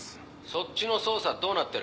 そっちの捜査どうなってる？